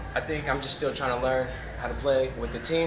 saya pikir saya masih mencoba untuk belajar bagaimana bermain dengan tim